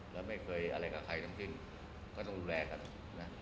และไม่เคยอะไรกับใครนึงเราต้องดูแลกัน